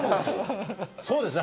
そうですね。